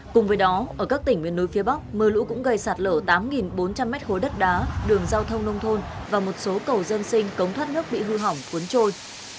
cùng với đó ở các tỉnh miền núi phía bắc mưa lũ cũng gây sạt lở tám bốn trăm linh mét khối đất đá đường giao thông nông thôn và một số cầu dân sinh cống thoát nước bị hư hỏng cuốn trôi